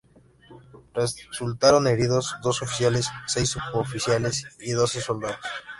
Resultaron heridos dos oficiales, seis suboficiales y doce soldados.